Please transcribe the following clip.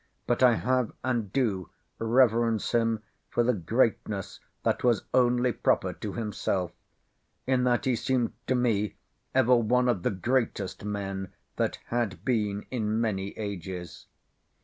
But I have, and do reverence him for the greatness, that was only proper to himself; in that he seemed to me ever one of the greatest men, that had been in many ages.